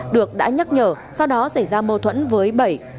được đã nhắc nhở sau đó xảy ra mâu thuẫn với bảy